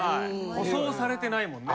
舗装されてないもんね。